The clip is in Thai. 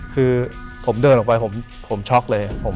คือผมเดินออกไปผมช็อกเลย